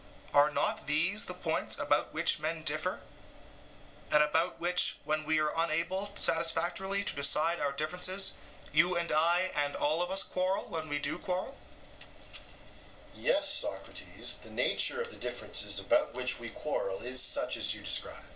Are not these the points about which men differ, and about which when we are unable satisfactorily to decide our differences, you and I and all of us quarrel, when we do quarrel? (Compare Alcib.) EUTHYPHRO: Yes, Socrates, the nature of the differences about which we quarrel is such as you describe.